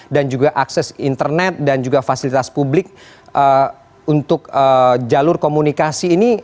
dan juga akses internet dan juga fasilitas publik untuk jalur komunikasi ini